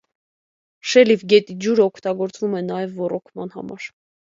Շելիֆ գետի ջուրը օգտագործվում է նաև ոռոգման համար։